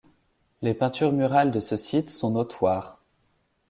Les peintures murales de ce site sont notoires.